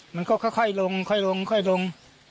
มันก็ค่อยลง